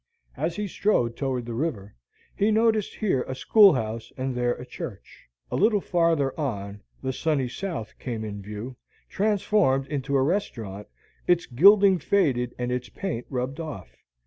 As he strode toward the river, he noticed here a schoolhouse and there a church. A little farther on, "The Sunny South" came in view, transformed into a restaurant, its gilding faded and its paint rubbed off.